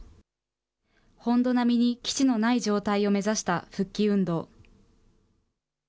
本土並みに基地のない状態を目指した復帰運動。